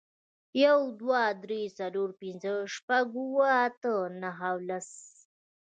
یو، دوه، درې، څلور، پینځه، شپږ، اووه، اته، نهه او لس